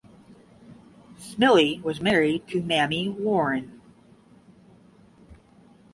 Smylie was married to Mamie Warren.